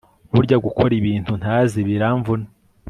burya gukora ibintu ntazi biramvuna